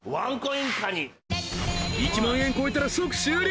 １万円を超えたら即終了！